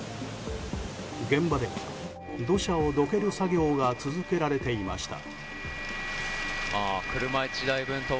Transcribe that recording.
現場では土砂をどける作業が続けられていました。